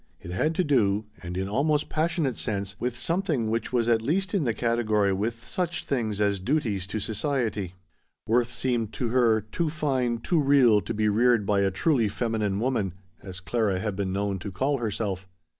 It had to do, and in almost passionate sense, with something which was at least in the category with such things as duties to society. Worth seemed to her too fine, too real, to be reared by a "truly feminine woman," as Clara had been known to call herself.